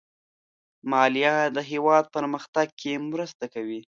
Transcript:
مالیه د هېواد پرمختګ کې مرسته کوي.